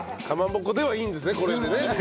かまぼこではいいんですねこれでね。